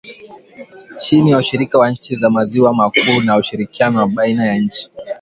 chini ya ushirika wa nchi za maziwa makuu na ushirikiano wa baina ya nchi